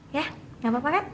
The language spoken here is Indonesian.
ya gak apa apa kan